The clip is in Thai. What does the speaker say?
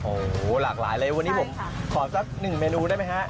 โอ้โหหลากหลายเลยวันนี้ผมขอสักหนึ่งเมนูได้ไหมฮะ